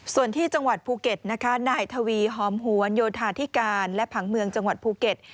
ส่วนที่จังหวัดภูเก็ตนะคะนายทวีหอมหวนโยธาธิการและผังเมืองจังหวัดภูเก็ต